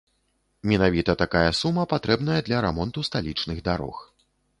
Менавіта такая сума патрэбная для рамонту сталічных дарог.